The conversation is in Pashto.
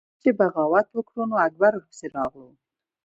ده چې بغاوت وکړو نو اکبر ورپسې راغلو۔